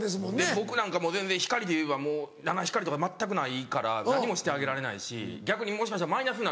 僕なんか全然光でいえばもう七光りとか全くないから何もしてあげられないし逆にもしかしたらマイナスになるかも。